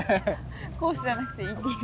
コースじゃなくていいっていう。